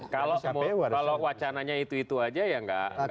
kalau wacananya itu itu aja ya nggak